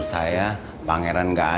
sudah bu nawang